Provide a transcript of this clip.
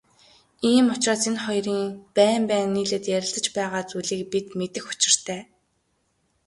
Ийм учраас энэ хоёрын байн байн нийлээд ярилцаж байгаа зүйлийг бид мэдэх учиртай.